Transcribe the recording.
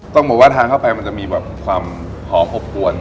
ต้องบอกว่าทานเข้าไปมันจะมีแบบความหอมอบอวน